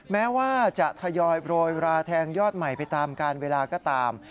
แม้ว่าจะทยอยโรยราแทงยอดใหม่ไปตามการเวลาก็ตาม